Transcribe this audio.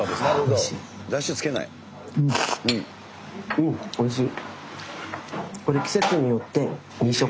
うんおいしい。